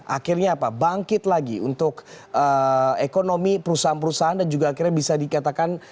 akhirnya apa bangkit lagi untuk ekonomi perusahaan perusahaan dan juga akhirnya bisa dikatakan